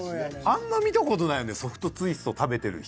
あんま見た事ないよねソフトツイスト食べてる人。